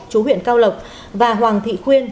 chú huyện cao lộc và hoàng thị khuyên